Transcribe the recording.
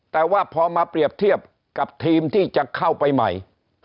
แต่ว่าพอมาเปรียบเทียบกับทีมที่จะเข้าไปใหม่